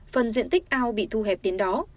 phần diện tích ao bị thu hẹp đến đó